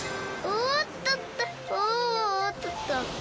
おっとっと。